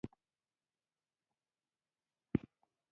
زما خور په دوکان کې کار کوي